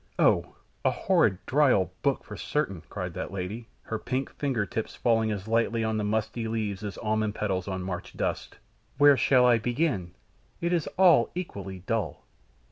"Oh! a horrid, dry old book for certain," cried that lady, her pink fingertips falling as lightly on the musty leaves as almond petals on March dust. "Where shall I begin? It is all equally dull."